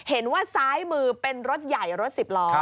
เห็นว่าซ้ายมือเป็นรถใหญ่รถสิบล้อ